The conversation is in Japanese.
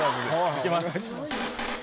いきます。